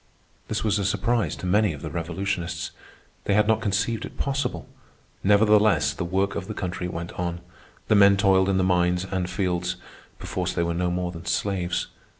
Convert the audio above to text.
This was a surprise to many of the revolutionists. They had not conceived it possible. Nevertheless the work of the country went on. The men toiled in the mines and fields—perforce they were no more than slaves.